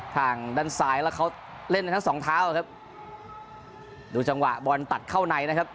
ทางด้านซ้ายแล้วเขาเล่นทั้งสองเท้าครับดูจังหวะบอลตัดเข้าในนะครับ